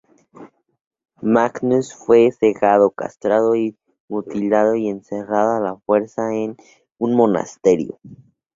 Magnus fue cegado, castrado y mutilado, y encerrado a la fuerza en un monasterio.